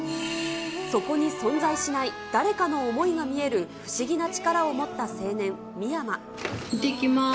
そこに存在しない誰かの思いが見える不思議な力を持った青年、いってきます。